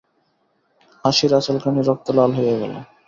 হাসির আঁচলখানি রক্তে লাল হইয়া গেল।